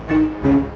bukan mau jual tanah